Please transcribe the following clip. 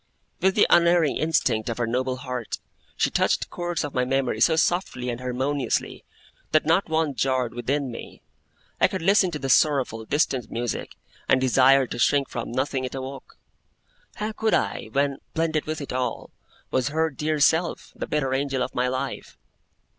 With the unerring instinct of her noble heart, she touched the chords of my memory so softly and harmoniously, that not one jarred within me; I could listen to the sorrowful, distant music, and desire to shrink from nothing it awoke. How could I, when, blended with it all, was her dear self, the better angel of my life?